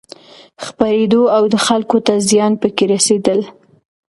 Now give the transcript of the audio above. خپرېدو او دخلکو ته زيان پکې رسېدل